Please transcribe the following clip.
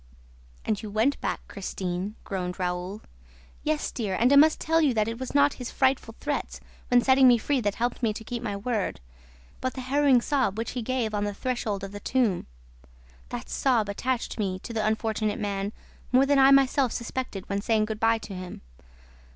'" "And you went back, Christine," groaned Raoul. "Yes, dear, and I must tell you that it was not his frightful threats when setting me free that helped me to keep my word, but the harrowing sob which he gave on the threshold of the tomb. ... That sob attached me to the unfortunate man more than I myself suspected when saying good by to him.